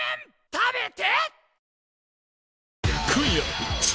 食べて！